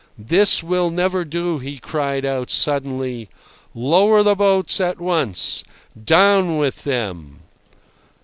"This will never do!" he cried out suddenly. "Lower the boats at once! Down with them!"